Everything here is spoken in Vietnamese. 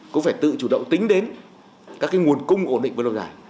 cũng phải tự chủ động tính đến các cái nguồn cung ổn định với lòng giải